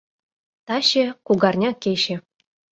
Таче — кугарня кече.